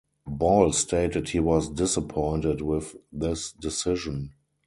Ball stated he was "disappointed" with this decision.